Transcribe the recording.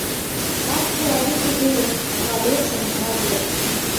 Так чалавек і вырас, акалечаны навек.